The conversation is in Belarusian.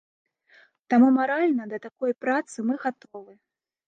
Таму маральна да такой працы мы гатовы.